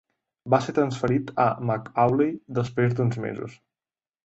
Va ser transferit a McAuley després d'uns mesos.